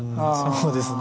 そうですね。